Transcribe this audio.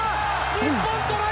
日本トライ！